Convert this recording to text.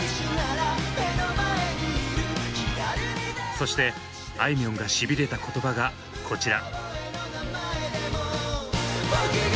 そしてあいみょんがシビれた言葉がこちら。